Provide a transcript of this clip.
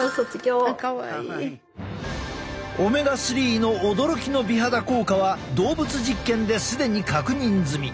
オメガ３の驚きの美肌効果は動物実験で既に確認済み。